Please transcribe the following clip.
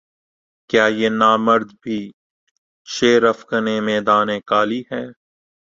کہ یہ نامرد بھی شیر افگنِ میدانِ قالی ہے